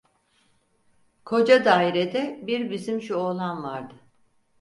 Koca dairede bir bizim şu oğlan vardı.